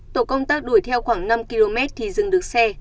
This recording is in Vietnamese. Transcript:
tổ công tác đuổi theo khoảng năm km thì dừng được xe